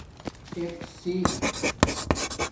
ٹکسیی